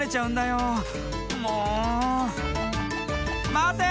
まて！